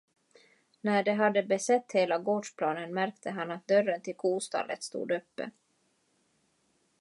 När de hade besett hela gårdsplanen märkte han att dörren till kostallet stod öppen.